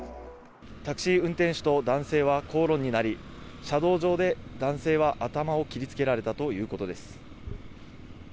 タクシー運転手と男性は口論になり、車道上で男性は頭を切りつけられたということです。